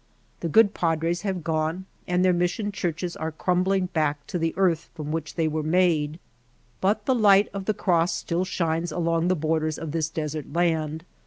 The good Padres have gone and their mis sion churches are crumbling back to the earth from which they were made ; but the light of the cross still shines along the borders of this desert land.